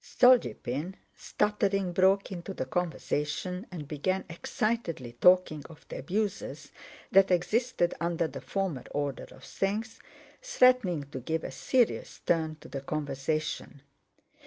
Stolýpin, stuttering, broke into the conversation and began excitedly talking of the abuses that existed under the former order of things—threatening to give a serious turn to the conversation.